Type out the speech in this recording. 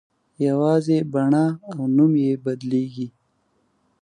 یوازې بڼه او نوم یې بدلېږي.